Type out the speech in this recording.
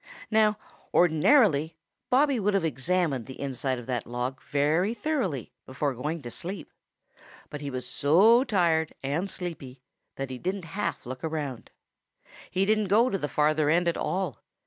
Now ordinarily Bobby would have examined the inside of that log very thoroughly before going to sleep, but he was so tired and sleepy that he didn't half look around. He didn't go to the farther end at all.